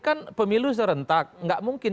kan pemilu serentak nggak mungkin